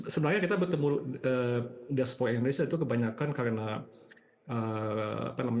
sebenarnya kita bertemu diaspora indonesia itu kebanyakan karena kangen ya dengan indonesia dengan masyarakat indonesia